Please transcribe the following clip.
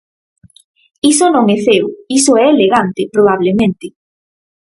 Iso non é feo, iso é elegante, probablemente.